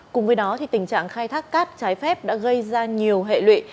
cùng với đó tình trạng khai thác cát trái phép đã gây ra nhiều hệ lụy